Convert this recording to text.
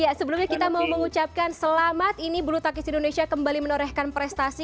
ya sebelumnya kita mau mengucapkan selamat ini bulu tangkis indonesia kembali menorehkan prestasi